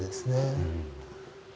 うん。